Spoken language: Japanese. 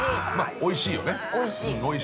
◆おいしいよね。